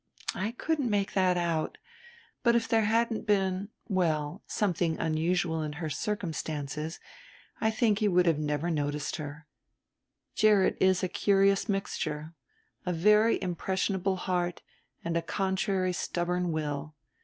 "I couldn't make that out. But if there hadn't been, well something unusual in her circumstances I think he would never have noticed her. Gerrit is a curious mixture, a very impressionable heart and a contrary stubborn will.